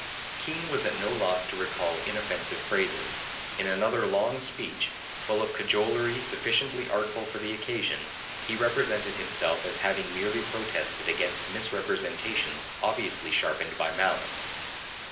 Keene was at no loss to recall inoffensive phrases; in another long speech, full of cajolery sufficiently artful for the occasion, he represented himself as having merely protested against misrepresentations obviously sharpened by malice.